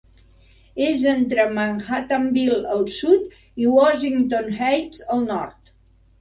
És entre Manhattanville al sud i Washington Heights al nord.